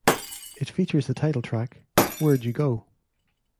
It features the title track, Where'd You Go?